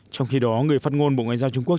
trong khi đó người phát ngôn bộ ngoại giao trung quốc